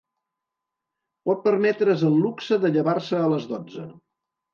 Pot permetre's el luxe de llevar-se a les dotze.